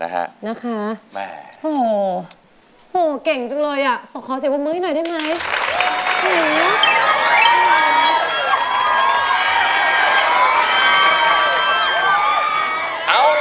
เก่งจังเลยอะขอเสียบวมมืออีกหน่อยได้มั้ย